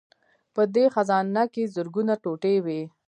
په دې خزانه کې زرګونه ټوټې وې